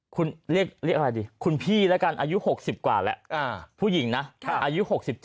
คุณเรียกอะไรดิคุณพี่แล้วกันอายุ๖๐กว่าแล้วผู้หญิงนะอายุ๖๗